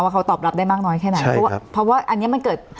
เขาตอบรับได้มากน้อยแค่ไหนเพราะว่าเพราะว่าอันนี้มันเกิด